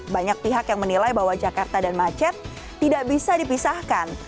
banyak pihak yang menilai bahwa jakarta dan macet tidak bisa dipisahkan